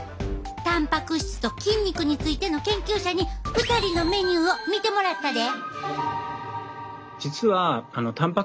たんぱく質と筋肉についての研究者に２人のメニューを見てもらったで。